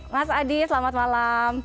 mas adi selamat malam